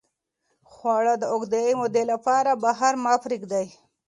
خواړه د اوږدې مودې لپاره بهر مه پرېږدئ.